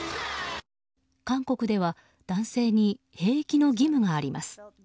韓国では男性に兵役の義務があります。